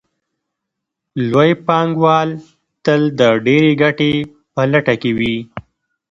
لوی پانګوال تل د ډېرې ګټې په لټه کې وي